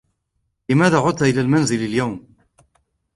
لماذا عُدْتَ إلى المنزلِ اليوم ؟